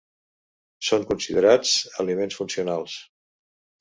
Són considerats aliments funcionals.